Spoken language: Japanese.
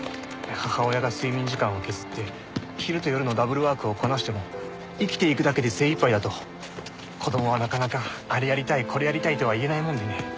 母親が睡眠時間を削って昼と夜のダブルワークをこなしても生きていくだけで精いっぱいだと子供はなかなか「あれやりたいこれやりたい」とは言えないもんでね。